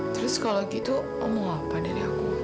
terus kalau gitu om mau apa dari aku